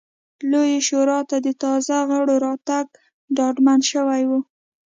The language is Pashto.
لویې شورا ته د تازه غړو راتګ ډاډمن شوی و.